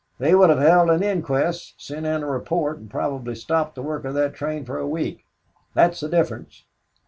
They would have held an inquest, sent in a report, and probably stopped the work of that train for a week. That's the difference."